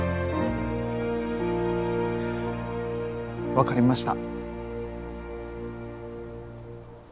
わかりました。